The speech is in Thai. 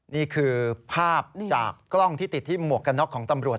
นี่คือภาพจากกล้องที่ติดที่หมวกกันน็อกของตำรวจ